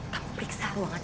kamu periksa ruangan ini